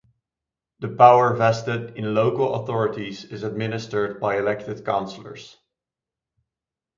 The power vested in local authorities is administered by elected councillors.